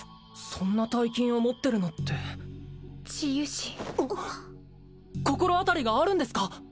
そんな大金を持ってるのって治癒士心当たりがあるんですか？